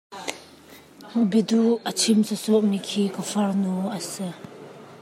Biaduh a chim sawsawh mi khi ka farnu a si.